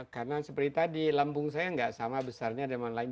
karena seperti tadi lambung saya tidak sama besarnya dengan lain